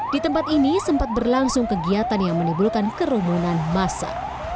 di tempat ini sempat berlangsung kegiatan yang menimbulkan kerumunan masa